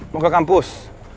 mau ke kampus